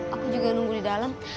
aku juga nunggu di dalam